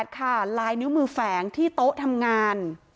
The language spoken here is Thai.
ค่ะลายนิ้วมือแฝงที่โต๊ะทำงาน